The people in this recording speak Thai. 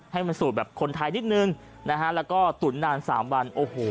ให้มันสูตรแบบคนไทยนิดนึงนะฮะแล้วก็ตุ๋นนานสามวันโอ้โห